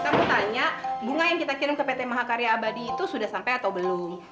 kamu tanya bunga yang kita kirim ke pt mahakarya abadi itu sudah sampai atau belum